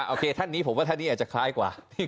ท่านนี้ผมว่าท่านนี้อาจจะคล้ายกว่า